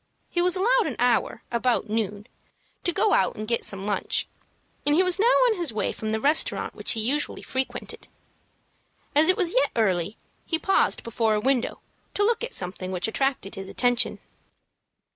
He was allowed an hour, about noon, to go out and get some lunch, and he was now on his way from the restaurant which he usually frequented. As it was yet early, he paused before a window to look at something which attracted his attention.